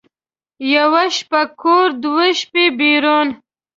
یوه شپه کور، دوه شپه بېرون.